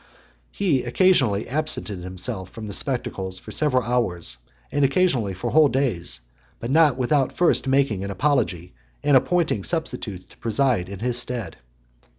He (108) occasionally absented himself from the spectacles for several hours, and sometimes for whole days; but not without first making an apology, and appointing substitutes to preside in his stead.